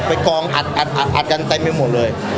กองอัดกันเต็มไปหมดเลย